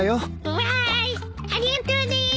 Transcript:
わーいありがとうです。